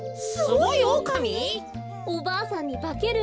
おばあさんにばけるんです。